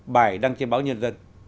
bài đăng trên báo nhân dân